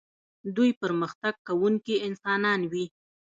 دوی پرمختګ کوونکي انسانان وي.